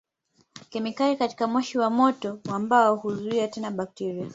Kemikali katika moshi wa moto wa mbao huzuia tena bakteria.